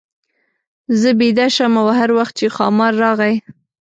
زه بېده شم او هر وخت چې ښامار راغی.